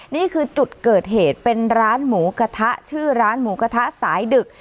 นี่คือจุดเกิดเหตุเป็นร้านหมูกระทะชื่อร้านหมูกระทะสายดึก